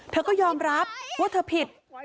เธอก็ยอมรับว่าเธอผิด